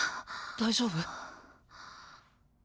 大丈夫？